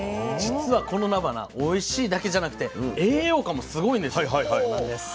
実はこのなばなおいしいだけじゃなくて栄養価もすごいんですよ。